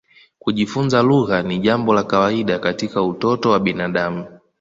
Kujifunza lugha ni jambo la kawaida katika utoto wa binadamu.